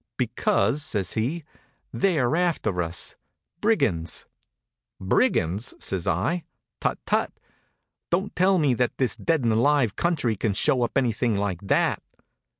"Because," says he, "they're after us brigands." "Brigands!" says I. "Tut, tut! Don't tell me that this dead and alive country can show up anything like that."